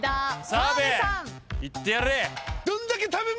澤部いってやれ！